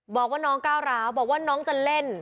บอกว่าน้องก้าวร้าวบอกว่าน้องจะเล่น